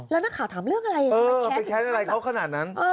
แล้วนักข่าวถามเรื่องอะไรเออไปแค้นอะไรเขาขนาดนั้น